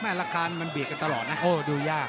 แม่ละการมันเบียดกันตลอดนะโอ้ดูยาก